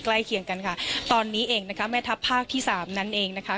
ใกล้เคียงกันค่ะตอนนี้เองนะคะแม่ทัพภาคที่สามนั่นเองนะคะ